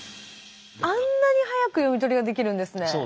あんなに速く読み取りができるんですね。